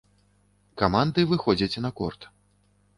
Каманды выходзяць на корт.